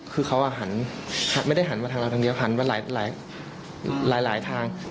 คือเขาหันไม่ได้หันมาทางเราทางเดียวหันมาหลายทาง